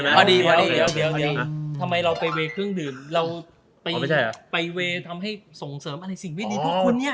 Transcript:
ไปเราไปเวเปิงเดินเราไปเวส่งเสริมอะไรสิ่งไม่ดีทุกคนเนี่ย